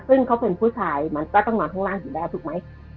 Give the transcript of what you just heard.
ซึ่งเขาเป็นผู้ชายมันก็ต้องนอนข้างล่างอยู่แล้วถูกไหม